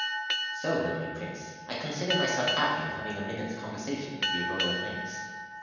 "So lonely, Prince! I consider myself happy in having a minute's conversation with your Royal Highness."